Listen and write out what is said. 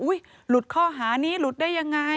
หลุดข้อหานี้หลุดได้ยังไง